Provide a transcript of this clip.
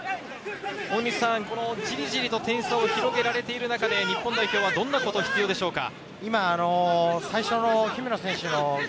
じりじりと点差を広げられている中で日本代表はどんなことが必要ですか？